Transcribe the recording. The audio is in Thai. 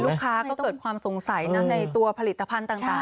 ลูกค้าก็เกิดความสงสัยนะในตัวผลิตภัณฑ์ต่าง